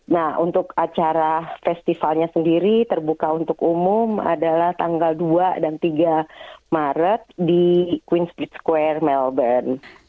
nah untuk acara festivalnya sendiri terbuka untuk umum adalah tanggal dua dan tiga maret di queens beat square melbourne